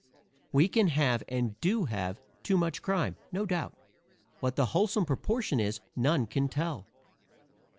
We can have, and do have, too much crime, no doubt; what the wholesome proportion is none can tell.